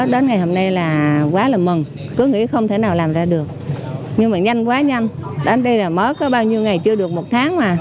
đến ngày hôm nay là quá là mừng cứ nghĩ không thể nào làm ra được nhưng mà nhanh quá nhanh đến đây là mới có bao nhiêu ngày chưa được một tháng mà